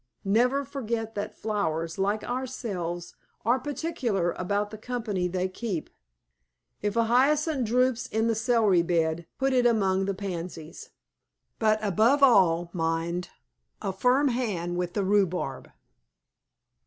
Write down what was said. Never forget that flowers, like ourselves, are particular about the company they keep. If a hyacinth droops in the celery bed, put it among the pansies. But above all, mind, a firm hand with the rhubarb.